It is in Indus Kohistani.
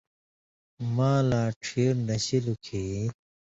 مالاں ڇھیرنشیۡ لُوں کھیں